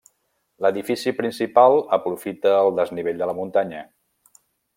L'edifici principal aprofita el desnivell de la muntanya.